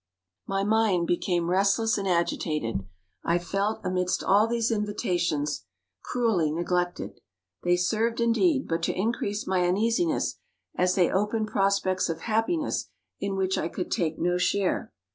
My mind became restless and agitated. I felt, amidst all these invitations, cruelly neglected. They served, indeed, but to increase my uneasiness, as they opened prospects of happiness in which I could take no share.